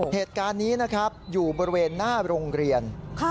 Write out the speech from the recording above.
เหตุการณ์นี้นะครับอยู่บริเวณหน้าโรงเรียน